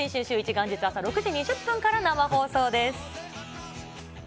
元日朝６時２０分から生放送です。